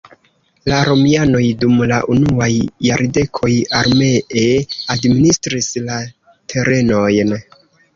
La romianoj dum la unuaj jardekoj armee administris la terenojn.